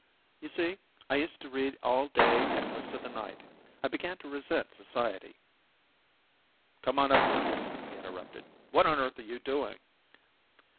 "You see, I used to read all day and most of the night. I began to resent society " "Come on up here," he interrupted. "What on earth are you doing?"